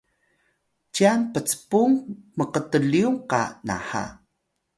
cyan pcpung mktlyum qa nha